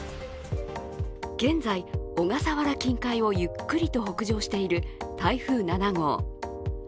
現在、小笠原近海をゆっくりと北上している台風７号。